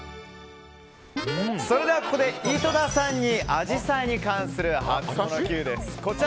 それでは、ここで井戸田さんにアジサイに関するハツモノＱです。